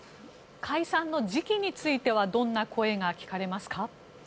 解散の時期についてどんな声が聞かれますか。